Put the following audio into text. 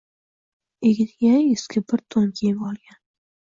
Egniga eski bir to’n kiyib olgan